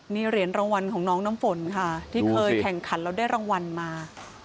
นี่เหรียญรางวัลของน้องน้ำฝนค่ะที่เคยแข่งขันแล้วได้รางวัลมา